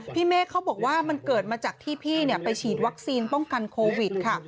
เมฆเขาบอกว่ามันเกิดมาจากที่พี่ไปฉีดวัคซีนป้องกันโควิดค่ะ